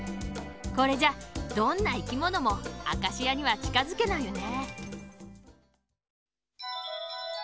これじゃどんないきものもアカシアにはちかづけないよね。